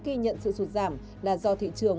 ghi nhận sự sụt giảm là do thị trường